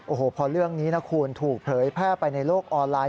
โอ้โหพอเรื่องนี้นะคุณถูกเผยแพร่ไปในโลกออนไลน์